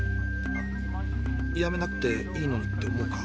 「やめなくていいのに」って思うか？